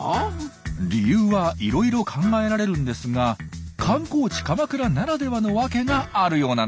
理由はいろいろ考えられるんですが観光地鎌倉ならではのワケがあるようなんです。